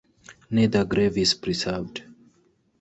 Neither grave is preserved.